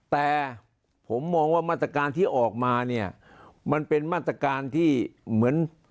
แต่ผมมองว่ามาตรการที่ออกมาเนี่ยมันเป็นมาตรการที่เหมือน